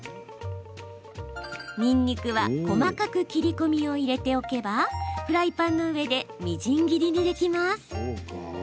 にんにくは細かく切り込みを入れておけばフライパンの上でみじん切りにできます。